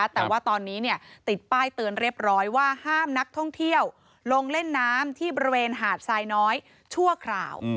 แต่ว่าตอนนี้ติดป้ายเตือนเรียบร้อยว่าห้ามนักท่องเที่ยวลงเล่นน้ำที่บริเวณหาดทรายน้อยชั่วคราว